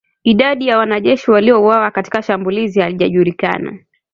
Idadi ya wanajeshi waliouawa katika shambulizi haijajulikana